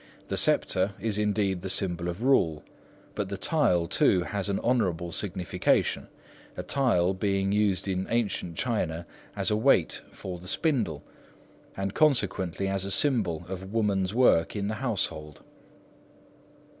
The sceptre is indeed the symbol of rule; but the tile too has an honourable signification, a tile being used in ancient China as a weight for the spindle,—and consequently as a symbol of woman's work in the household.